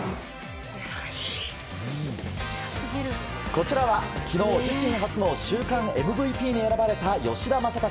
こちらは昨日、自身初の週間ＭＶＰに選ばれた吉田正尚。